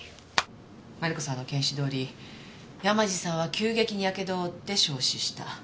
マリコさんの検視どおり山路さんは急激にやけどを負って焼死した。